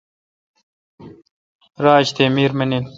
راج تی میر منے۔